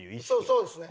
そうそうですね。